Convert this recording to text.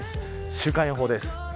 週間予報です。